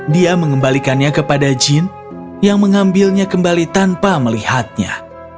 dia mengembalikannya kepada jin yang mengambilnya kembali tanpa melihatnya